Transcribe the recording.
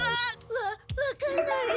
わっわかんない。